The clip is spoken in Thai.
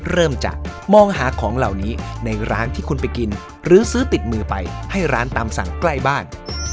เริ่มจากมองหาของเหล่านี้ในร้านที่คุณไปกินหรือซื้อติดมือไปให้ร้านตามสั่งใกล้บ้าน